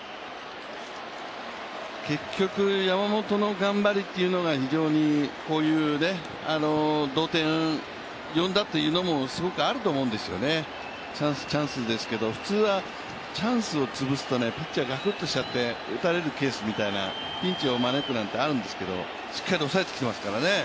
結局、山本の頑張りっていうのが非常にこういう同点呼んだっていうのもすごくあると思うんですよね、チャンス、チャンスですけど普通はチャンスを潰すとピッチャーがくっとしちゃって打たれるケースピンチを招くなんてあるんですけど、しっかりと抑えてきてますからね。